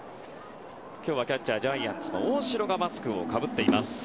今日はキャッチャージャイアンツの大城がマスクをかぶっています。